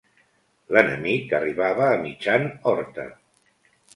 L'enemic arribava a mitjan horta.